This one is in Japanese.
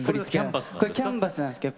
これキャンバスなんですか？